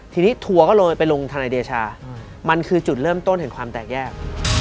ทีนี้ทัวร์ก็เลยไปลงทนายเดชามันคือจุดเริ่มต้นแห่งความแตกแยก